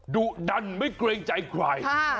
ดุดันไม่เกรงใจใคร